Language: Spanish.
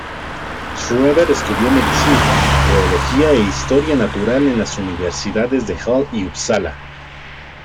Schreber estudió Medicina, Teología e Historia natural en las Universidades de Halle y Upsala.